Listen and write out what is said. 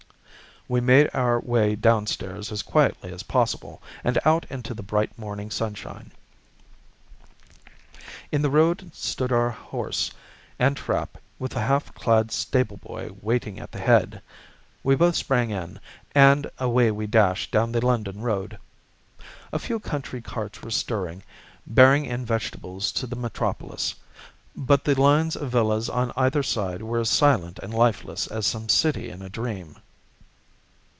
We made our way downstairs as quietly as possible, and out into the bright morning sunshine. In the road stood our horse and trap, with the half clad stable boy waiting at the head. We both sprang in, and away we dashed down the London Road. A few country carts were stirring, bearing in vegetables to the metropolis, but the lines of villas on either side were as silent and lifeless as some city in a dream.